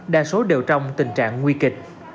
đa số đều trong tình trạng nguy kịch